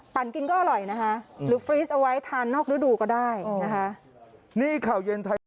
กินก็อร่อยนะคะหรือฟรีสเอาไว้ทานนอกฤดูก็ได้นะคะ